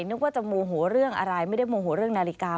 นึกว่าจะโมโหเรื่องอะไรไม่ได้โมโหเรื่องนาฬิกา